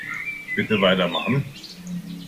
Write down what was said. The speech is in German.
Bitte weitermachen.